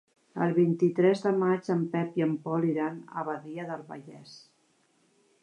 El vint-i-tres de maig en Pep i en Pol iran a Badia del Vallès.